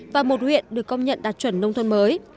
và một huyện được công nhận đạt chuẩn nông thôn mới